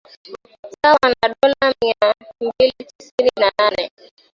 sawa na dola mia mbili tisini na nane